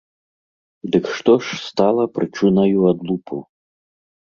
Дык што ж стала прычынаю адлупу?